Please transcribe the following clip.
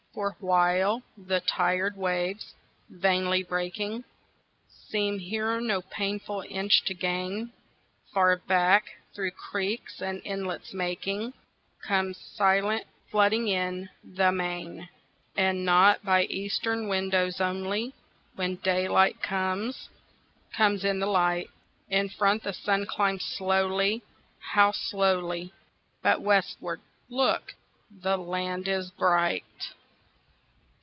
For while the tired waves, vainly breaking, Seem here no painful inch to gain, Far back, through creeks and inlets making, Comes silent, flooding in, the main. And not by eastern windows only, When daylight comes, comes in the light; In front the sun climbs slow, how slowly! But westward, look, the land is bright!